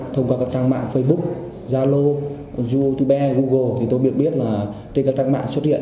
thông qua các trang mạng facebook zalo youtube google tôi biết biết là trên các trang mạng xuất hiện